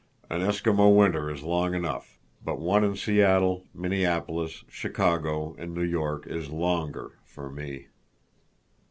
"An Eskimo winter is long enough, but one in Seattle, Minneapolis, Chicago, and New York is longer—for me."